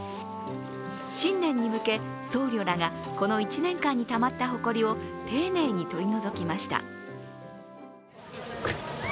新年に向け、僧侶らがこの１年間にたまったほこりを丁寧に取り除きました。